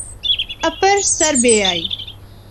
اپر سربیائی